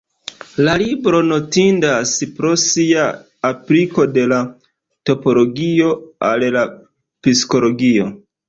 La libro notindas pro sia apliko de la topologio al la psikologio.